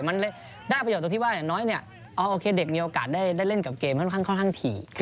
มันเลยได้ประโยชนตรงที่ว่าอย่างน้อยเนี่ยโอเคเด็กมีโอกาสได้เล่นกับเกมค่อนข้างถี่